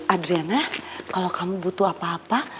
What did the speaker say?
adriana kalau kamu butuh apa apa